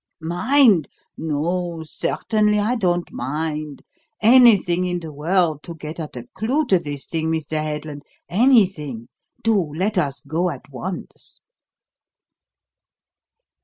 "Mind? No, certainly I don't mind. Anything in the world to get at a clue to this thing, Mr. Headland, anything. Do let us go at once."